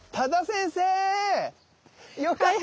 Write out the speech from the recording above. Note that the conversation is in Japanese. よかった！